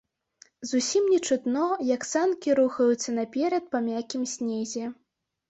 Зусім не чутно, як санкі рухаюцца наперад па мяккім снезе.